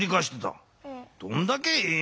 どんだけええ